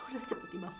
ya udah cepat imam